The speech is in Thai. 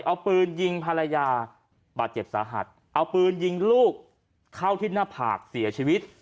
เอาปืนยิงภรรยาบาดเจ็บสาหัสเอาปืนยิงลูกเข้าที่หน้าผากเสียชีวิต